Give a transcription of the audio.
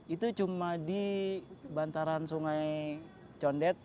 itu cuma di bantaran sungai condet